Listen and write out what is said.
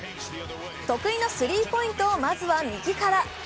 得意のスリーポイントをまずは右から。